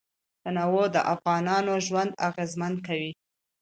تنوع د افغانانو ژوند اغېزمن کوي.